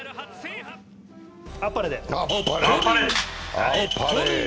あっぱれ。